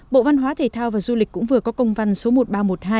bộ văn hóa thể thao và du lịch cũng vừa có công văn số một nghìn ba trăm một mươi hai